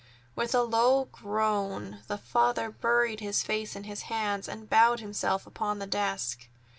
With a low groan the father buried his face in his hands and bowed himself upon the desk.